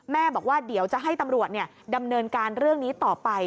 บอกว่าเดี๋ยวจะให้ตำรวจดำเนินการเรื่องนี้ต่อไป